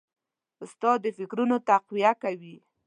استاد د فکرونو تقویه کوي.